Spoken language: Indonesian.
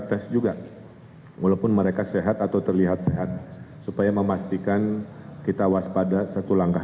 tes juga walaupun mereka sehat atau terlihat sehat supaya memastikan kita waspada satu langkah